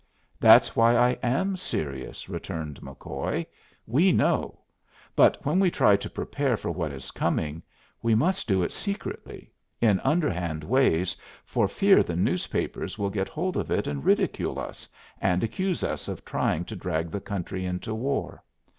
"That's why I am serious," returned McCoy. "We know. But when we try to prepare for what is coming, we must do it secretly in underhand ways, for fear the newspapers will get hold of it and ridicule us, and accuse us of trying to drag the country into war.